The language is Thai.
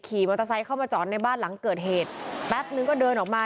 ขี่มอเตอร์ไซค์เข้ามาจอดในบ้านหลังเกิดเหตุแป๊บนึงก็เดินออกมา